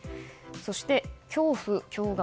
そして、恐怖・驚愕。